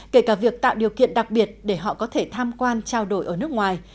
kể cả việc tạo điều kiện đặc biệt để họ có thể tham quan trao đổi ở nước ngoài